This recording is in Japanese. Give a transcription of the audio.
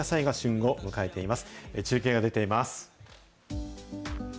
中継が出ています。